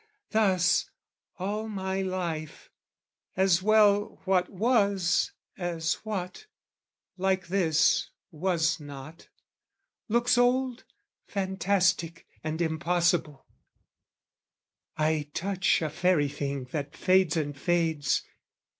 Thus, all my life, As well what was, as what, like this, was not, Looks old, fantastic and impossible: I touch a fairy thing that fades and fades.